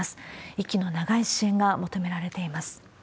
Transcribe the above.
息の長い支援が求められています。